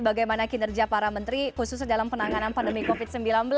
bagaimana kinerja para menteri khususnya dalam penanganan pandemi covid sembilan belas